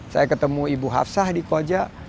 saya ketemu ibu hafsah di koja